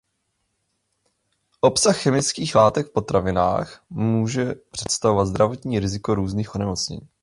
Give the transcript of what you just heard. Obsah chemických látek v potravinách může představovat zdravotní riziko různých onemocnění.